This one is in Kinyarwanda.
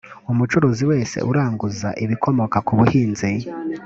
umucuruzi wese uranguza ibikomoka ku buhinzi